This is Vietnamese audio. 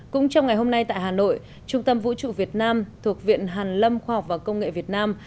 cũng trong ngày hôm nay tại hà nội trung tâm vũ trụ việt nam thuộc viện hàn lâm khoa học và công nghệ việt nam